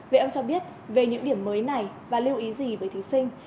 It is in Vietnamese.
vậy ông cho biết về những điểm mới này và lưu ý gì với thí sinh